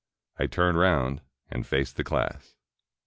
I turned round and faced the class.